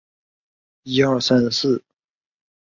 奥普特沃。